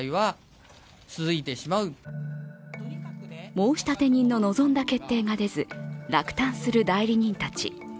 申立人の望んだ決定が出ず落胆する代理人たち。